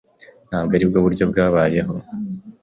Ntabwo aribwo buryo bwabayeho.